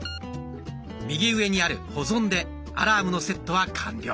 右上にある「保存」でアラームのセットは完了。